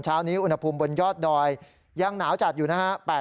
เช้านี้อุณหภูมิบนยอดดอยยังหนาวจัดอยู่นะฮะ